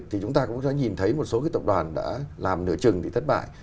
thì chúng ta cũng đã nhìn thấy một số tổng đoàn đã làm nửa chừng thì thất bại